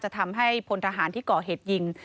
ทำให้พลทหารที่ก่อเหตุยิง